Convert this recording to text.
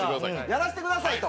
「やらせてください」と。